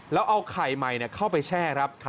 แล้วเอาไข่ใหม่เข้าไปแช่ครับ